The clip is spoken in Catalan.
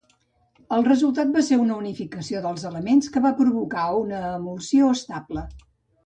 El resultat va ser una unificació dels elements, que va provocar una emulsió estable.